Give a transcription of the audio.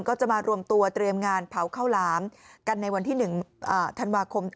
ก็จะมารวมตัวเตรียมงานเผาข้าวหลามกันในวันที่๑ธันวาคม